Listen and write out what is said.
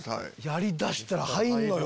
やり出したら入るのよ！